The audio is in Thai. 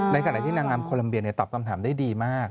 ขณะที่นางงามโคลัมเบียตอบคำถามได้ดีมาก